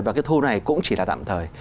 và cái thu này cũng chỉ là tạm thời